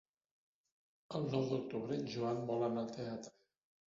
El nou d'octubre en Joan vol anar al teatre.